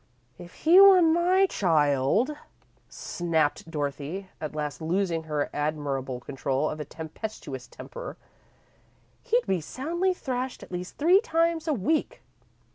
"If he were my child," snapped Dorothy, at last losing her admirable control of a tempestuous temper, "he'd be soundly thrashed at least three times a week!"